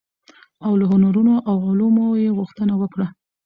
او له هنرونو او علومو يې غوښتنه وکړه،